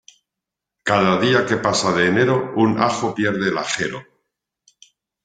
Cada día que pasa de enero, un ajo pierde el ajero.